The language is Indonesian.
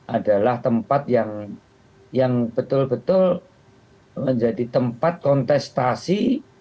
adalah tempat yang betul betul menjadi tempat kontestasi